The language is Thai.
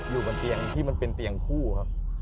อยู่บนเตียงที่มันเป็นเตียงคู่ครับ